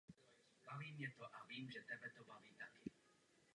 Jako mladý odešel do Říma.